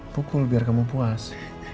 pukul biar kamu puas